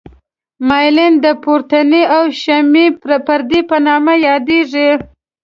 مایلین د پروتیني او شحمي پردې په نامه یادیږي.